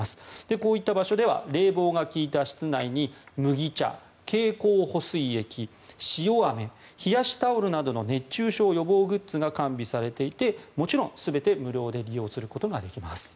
こういった場所では冷房が利いた室内に麦茶、経口補水液、塩アメ冷やしタオルなどの熱中症予防グッズが完備されていて、もちろん全て無料で利用することができます。